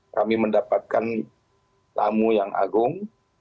kami mendapatkan tamu yang agung